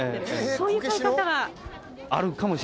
・そういう買い方は？